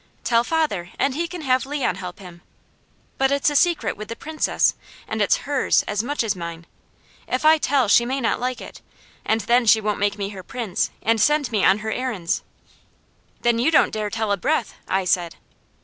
"Tell father and he can have Leon help him." "But it is a secret with the Princess, and it's HERS as much as mine. If I tell, she may not like it, and then she won't make me her Prince and send me on her errands." "Then you don't dare tell a breath," I said.